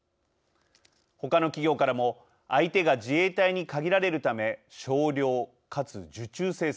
ほかの企業からも相手が自衛隊に限られるため少量・かつ受注生産。